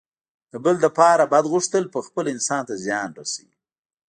د بل لپاره بد غوښتل پخپله انسان ته زیان رسوي.